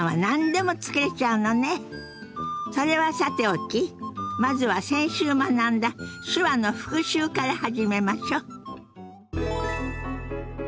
それはさておきまずは先週学んだ手話の復習から始めましょ。